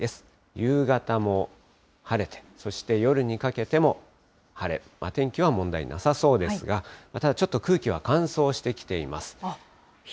夕方も晴れて、そして夜にかけても晴れ、天気は問題なさそうが、ただちょっと空気は乾燥してきています。